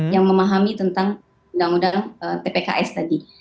yang memahami tentang undang undang tpks tadi